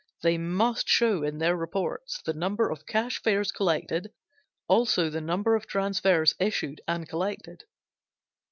They must show in their reports the number of cash fares collected; also the number of transfers issued and collected.